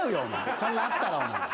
そんなあったら。